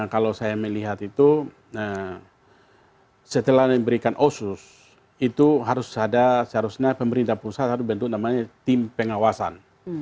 kalau saya melihat itu setelah diberikan otsus itu seharusnya pemerintah pusat harus bentuk namanya tim pengawasan